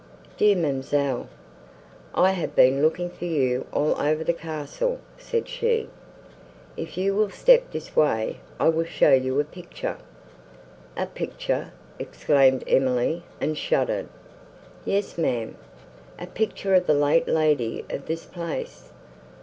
"Dear ma'amselle, I have been looking for you all over the castle," said she. "If you will step this way, I will show you a picture." "A picture!" exclaimed Emily, and shuddered. "Yes, ma'am, a picture of the late lady of this place.